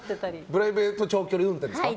プライベート長距離運転ですか？